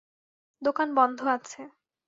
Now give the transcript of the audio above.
দোকান বন্ধ আছে।